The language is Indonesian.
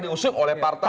usung oleh partai